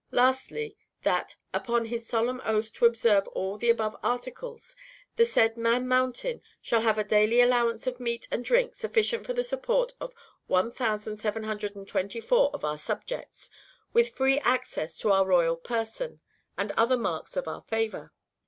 Lastly, That, upon his solemn oath to observe all the above articles, the said Man Mountain shall have a daily allowance of meat and drink sufficient for the support of 1724 of our subjects, with free access to our royal person, and other marks of our favor.